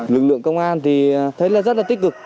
lực lượng công an thấy rất tích cực